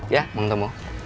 ya mau ketemu